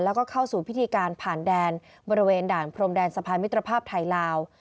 แล้วก็เข้าสู่พิธีการผ่านแดนบริเวณด่านพรมแดนสะพานมิตรภาพไทยลาว